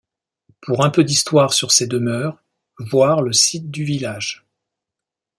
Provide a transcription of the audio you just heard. Pour un peu d'histoire sur ces demeures, voir le site du village.